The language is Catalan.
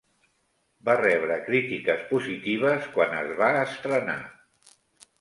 Va rebre crítiques positives quan es va estrenar.